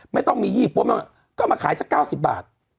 ไม่ต้องมี๒๐ก็มาขายสัก๙๐บาท